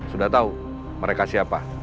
sudah tahu mereka siapa